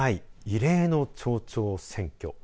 異例の町長選挙。